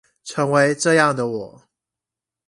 成為這樣的我